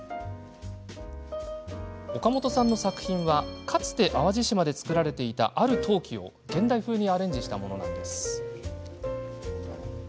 岡本さんの作品はかつて淡路島で作られていたある陶器を、現代風にアレンジしたものなんです。